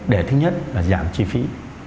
để thứ nhất là giảm chi phí